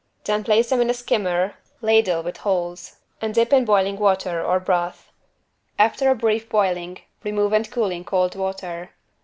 Then place them in a skimmer (ladle with holes) and dip in boiling water or broth. After a brief boiling remove and cool in cold water.